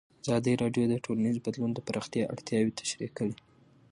ازادي راډیو د ټولنیز بدلون د پراختیا اړتیاوې تشریح کړي.